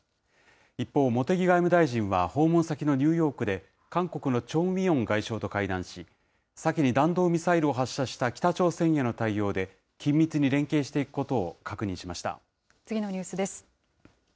一方、茂木外務大臣は訪問先のニューヨークで、韓国のチョン・ウィヨン外相と会談し、先に弾道ミサイルを発射した北朝鮮への対応で緊密に連携していく次のニュースです。